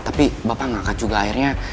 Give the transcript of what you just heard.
tapi bapak ngangkat juga akhirnya